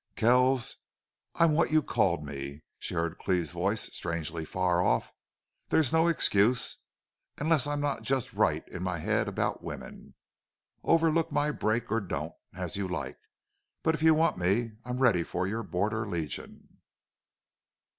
"Kells, I'm what you called me." She heard Cleve's voice, strangely far off. "There's no excuse... unless I'm not just right in my head about women.... Overlook my break or don't as you like. But if you want me I'm ready for your Border Legion!"